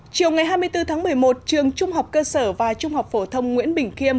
chiều ngày hai mươi bốn tháng một mươi một trường trung học cơ sở và trung học phổ thông nguyễn bình khiêm